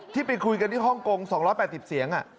ที่ไปคุยกันที่ฮ่องกง๒๘๐เสียง